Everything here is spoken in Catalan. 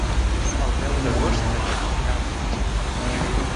El deu d'agost en Guim irà al metge.